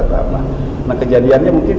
kejadiannya mungkin seperti ini